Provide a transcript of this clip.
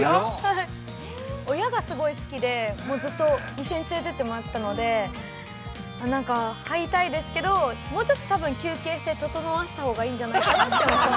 ◆親がすごい好きで、もうずっと一緒に連れていってもらったので、なんか、入りたいですけど、もうちょっと多分、休憩して、ととなわせたほうがいいんじゃないかと。